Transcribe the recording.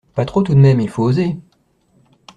Pas trop tout de même, il faut oser!